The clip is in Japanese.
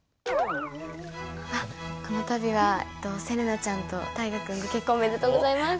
あっこの度はせれなちゃんと大河君の結婚おめでとうございます。